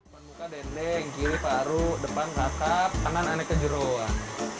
depan muka dendeng kiri paru depan kakap tangan aneka jeruan